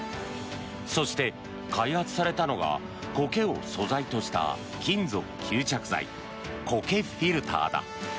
そして、開発されたのがコケを素材とした金属吸着材、コケフィルターだ。